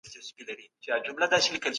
میلاټونین د خوب پړاوونه تنظیموي.